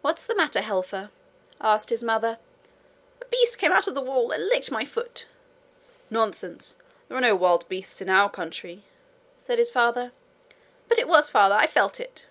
'What's the matter, Helfer?' asked his mother. 'A beast came out of the wall and licked my foot.' 'Nonsense! There are no wild beasts in our country,' said his father. 'But it was, father. I felt it.'